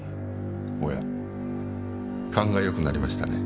おや勘がよくなりましたね。